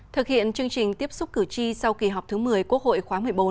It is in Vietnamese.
thực hiện chương trình tiếp xúc cử tri sau kỳ họp thứ một mươi quốc hội khóa một mươi bốn